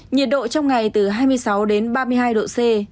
nhiệt độ trong ngày từ hai mươi sáu đến ba mươi hai độ c